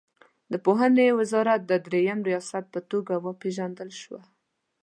د پوهنې وزارت د دریم ریاست په توګه وپېژندل شوه.